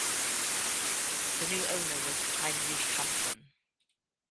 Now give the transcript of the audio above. The new owner was Heinrich Hansen.